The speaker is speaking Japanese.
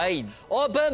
オープン！